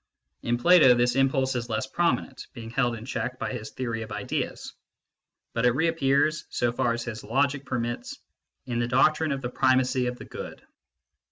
In Plato, this impulse is less prominent, being held in check by his theory of ideas ; but it reappears, so far as his logic permits, in the doctrine of the primacy of the Good.